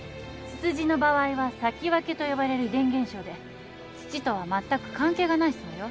ツツジの場合は咲き分けと呼ばれる遺伝現象で土とはまったく関係がないそうよ。